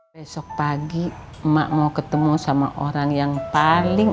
besok pagi emak mau ketemu sama orang yang paling